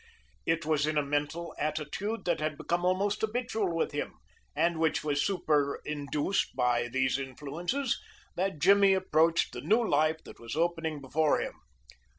It was in a mental attitude that had become almost habitual with him, and which was superinduced by these influences, that Jimmy approached the new life that was opening before him.